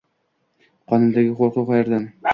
Qonimdagi qoʼrquv qaerdan?